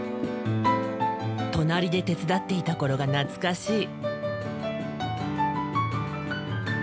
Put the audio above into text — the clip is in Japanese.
隣で手伝っていた頃が懐かしい。